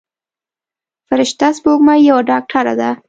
فرشته سپوږمۍ یوه ډاکتره ده.